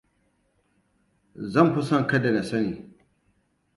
Zan fi son kada na sani.